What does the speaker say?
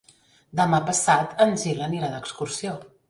Demà passat en Gil anirà d'excursió.